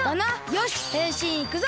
よしへんしんいくぞ！